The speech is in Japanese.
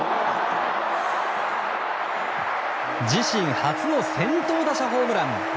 自身初の先頭打者ホームラン！